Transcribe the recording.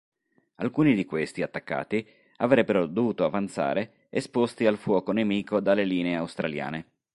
Alcuni di questi attaccati avrebbero dovuto avanzare esposti al fuoco nemico dalle linee australiane.